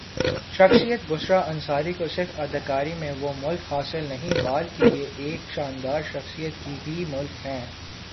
شخصیت بشریٰ انصاری کو سرف اداکاری میں وہ ملک حاصل نہیں بال کی یہ ایک شاندرشخصیات کی بھی ملک ہیں